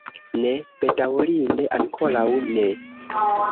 Ne, bedaŭrinde ankoraŭ ne.